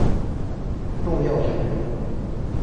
重要奖誉